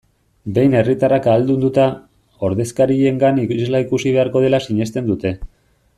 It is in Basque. Behin herritarrak ahaldunduta, ordezkariengan isla ikusi beharko dela sinesten dute.